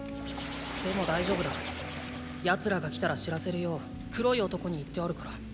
でも大丈夫だ奴らが来たら知らせるよう黒い男に言ってあるから。